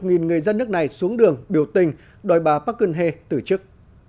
và đã đưa một người dân nước này xuống đường biểu tình đòi bà park geun hye tử chức